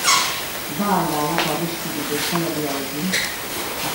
Ba al da halako arriskurik Euskal Herriarekin?